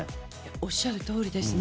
おっしゃるとおりです。